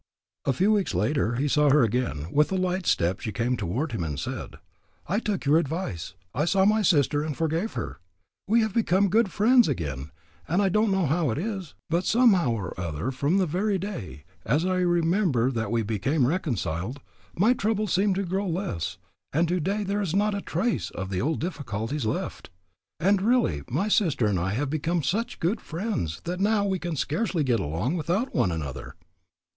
A few weeks later he saw her again. With a light step she came toward him and said: "I took your advice. I saw my sister and forgave her. We have become good friends again, and I don't know how it is, but somehow or other from the very day, as I remember, that we became reconciled, my troubles seemed to grow less, and today there is not a trace of the old difficulties left; and really, my sister and I have become such good friends that now we can scarcely get along without one another."